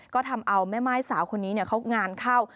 ก็ทำเอาแม่ม่ายสาวคนนี้เขางานเข้า